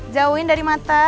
jauhin dari mata